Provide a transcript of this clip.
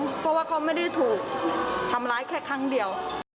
เพราะว่าเขาไม่ได้ถูกทำร้ายแค่ครั้งเดียว